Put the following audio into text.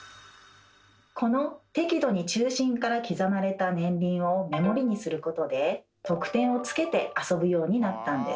この適度に中心から刻まれた年輪を目盛りにすることで得点をつけて遊ぶようになったんです。